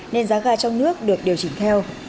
nên giá ga trong nước được điều chỉnh theo